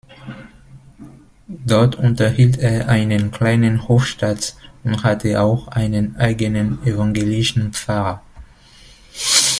Dort unterhielt er einen kleinen Hofstaat und hatte auch einen eigenen evangelischen Pfarrer.